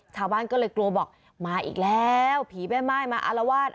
ชาวบ้านก็เลยกลัวบอกมาอีกแล้วผีแม่ม่ายมาอารวาส